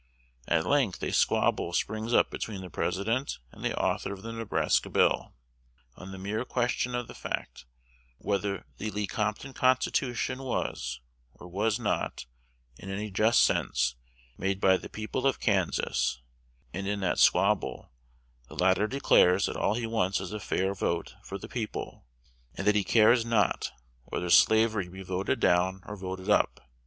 At length a squabble springs up between the President and the author of the Nebraska Bill, on the mere question of fact whether the Lecompton Constitution was, or was not, in any just sense, made by the people of Kansas; and, in that squabble, the latter declares that all he wants is a fair vote for the people, and that he cares not whether slavery be voted down or voted up.